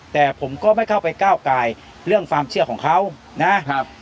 แต่ผมก็ไม่เข้าไปก้าวกายเรื่องความเชื่อของเขานะครับ